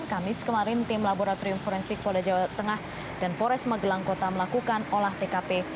kamis kemarin tim laboratorium forensik polda jawa tengah dan pores magelang kota melakukan olah tkp